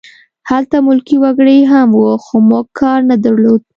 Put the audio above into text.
هلته ملکي وګړي هم وو خو موږ کار نه درلود